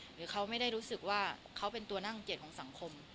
หรือเขาไม่ได้รู้สึกว่าเขาเป็นตัวนั่งเกียจของสังคม